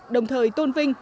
đồng thời tôn vinh